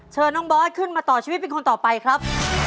เชิญน้องบอสขึ้นมาต่อชีวิตเป็นคนต่อไปครับ